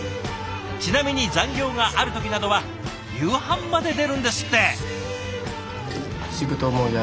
ちなみに残業がある時などは夕飯まで出るんですって！